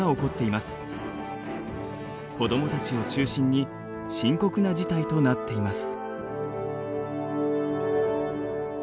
子どもたちを中心に深刻な事態となっています。